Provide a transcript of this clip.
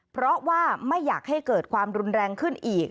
เพราะว่าไม่อยากให้เกิดความรุนแรงขึ้นอีก